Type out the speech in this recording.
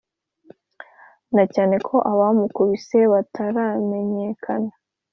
na cyane ko abamukubise bataramenyekana